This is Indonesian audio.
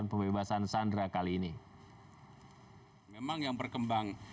memang yang berkembang